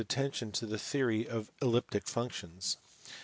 879 attention to the theory of elliptic functions.